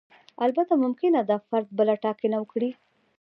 البته ممکنه ده فرد بله ټاکنه وکړي.